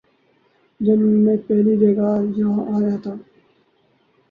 جب میں پہلی جگہ یہاں آیا تھا